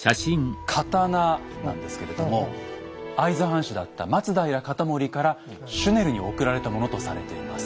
刀なんですけれども会津藩主だった松平容保からシュネルに贈られたものとされています。